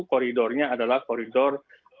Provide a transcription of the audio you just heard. koridornya adalah koridor